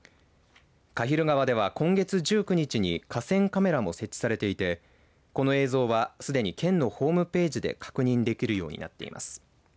鹿蒜川では今月１９日に河川カメラも設置されていてこの映像はすでに県のホームページで確認できるようになっています。